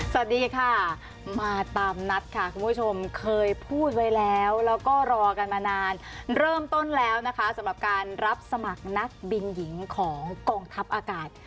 สวัสดีค่ะมาตามนัดค่ะคุณผู้ชมเคยพูดไว้แล้วแล้วก็รอกันมานานเริ่มต้นแล้วนะคะสำหรับการรับสมัครนักบินหญิงของกองทัพอากาศ